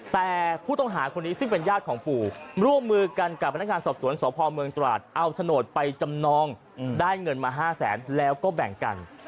แต่ผู้ต้องหาคนนี้ซึ่งเป็นญาติของปู่ร่วมมือกันกับพนักงานสอบสวนสพเมืองตราดเอาโฉนดไปจำนองได้เงินมา๕แสนแล้วก็แบ่งกัน